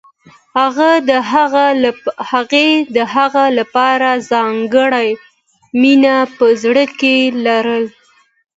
هغې د هغه لپاره ځانګړې مینه په زړه کې لرله